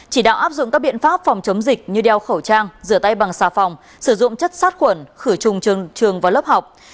chỉ đạo áp dụng các biện pháp phòng chống dịch như đeo khẩu trang rửa tay bằng xà phòng sử dụng chất sát khuẩn khử trùng trừng trường và lớp học